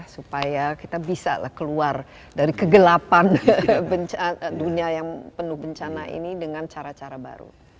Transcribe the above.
supaya kita bisa keluar dari kegelapan dunia yang penuh bencana ini dengan cara cara baru